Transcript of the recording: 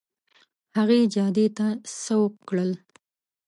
هغې جادې ته سوق کړل.